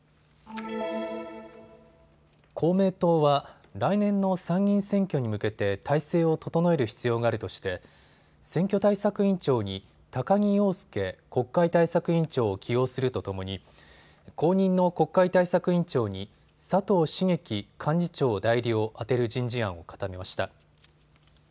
公明党は来年の参議院選挙に向けて体制を整える必要があるとして選挙対策委員長に高木陽介国会対策委員長を起用するとともに後任の国会対策委員長に佐藤茂樹幹事長代理を充てる人事案を固めました。